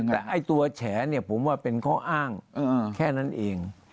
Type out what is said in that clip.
แต่ตัวแฉผมว่าเป็นข้ออ้างแค่นั้นเอง